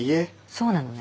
そうなのね？